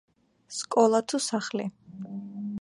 სკლოლა თუ სახლი?